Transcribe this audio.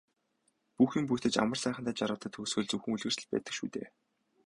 Бүх юм бүтэж амар сайхандаа жаргадаг төгсгөл зөвхөн үлгэрт л байдаг шүү дээ.